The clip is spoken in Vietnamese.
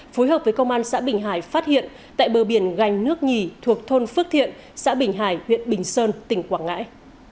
phối hợp với công an xã bình hải phát hiện tại bờ biển gành nước nhì thuộc thôn phước thiện xã bình hải huyện bình sơn tỉnh quảng ngãi